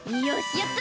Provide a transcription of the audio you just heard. やった！